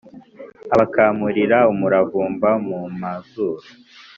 Abakamurira umuravumba mu mazuru